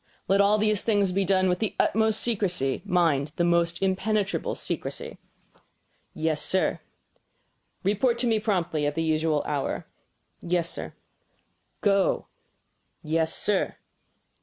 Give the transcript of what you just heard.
"Let all these things be done with the utmost's secrecy mind, the most impenetrable secrecy." "Yes, sir." "Report to me promptly at the usual hour." "Yes, Sir." "Go!" "Yes, sir."